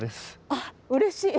あっうれしい。